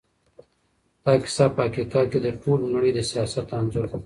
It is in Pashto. دا کيسه په حقیقت کې د ټولې نړۍ د سياست انځور دی.